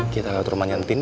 kamu gak usah khawatir